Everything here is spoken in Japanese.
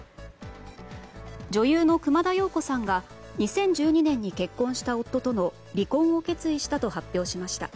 女優の熊田曜子さんが２０１２年に結婚した夫との離婚を決意したと発表しました。